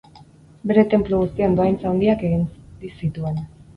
Bere tenplu guztiei dohaintza handiak egin zituen.